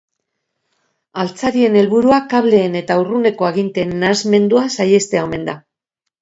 Altzarien helburua kableen eta urruneko aginteen nahasmendua saihestea omen da.